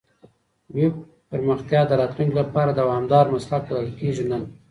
ویب پرمختیا د راتلونکي لپاره دوامدار مسلک بلل کېږي نن.